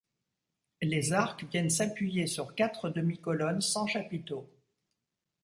Les arcs viennent s'appuyer sur quatre demi-colonnes sans chapiteaux.